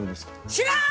知らん！